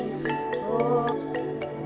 maka kehidupan berlangsung